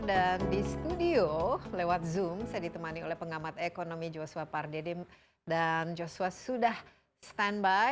dan di studio lewat zoom saya ditemani oleh pengamat ekonomi joshua pardede dan joshua sudah standby